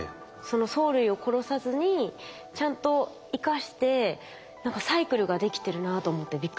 藻類を殺さずにちゃんと生かして何かサイクルができてるなあと思ってびっくりしました。